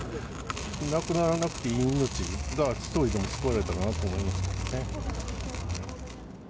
亡くならなくていい命が一人でも救われたらなと思いますね。